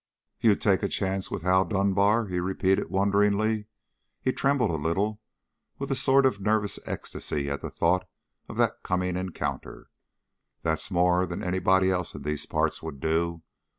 "You'd take a chance with Hal Dunbar?" he repeated wonderingly. He trembled a little, with a sort of nervous ecstasy at the thought of that coming encounter. "That's more'n anybody else in these parts would do.